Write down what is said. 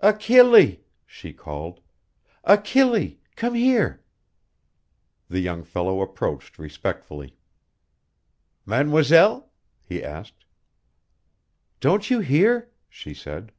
"Achille!" she called, "Achille! Come here!" The young fellow approached respectfully. "Mademoiselle?" he asked. "Don't you hear?" she said.